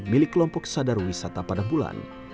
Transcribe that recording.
milik kelompok sadar wisata pada bulan